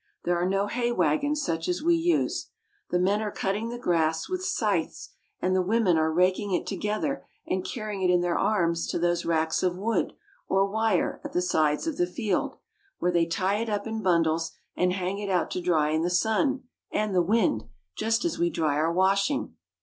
There are no hay wagons such as we use. The men are cutting the grass with scythes, and the women are raking it together and carrying it in their arms to those TRAVELS IN NORWAY AND SWEDEN. 179 racks of wood or wire at the sides of the field, where they tie it up in bundles and hang it out to dry in the sun and the wind just as we dry our washing.